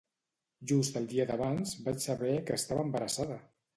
Just el dia d’abans vaig saber que estava embarassada!